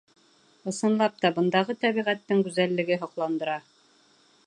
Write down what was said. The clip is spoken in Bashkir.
Ысынлап та, бындағы тәбиғәттең гүзәллеге һоҡландыра.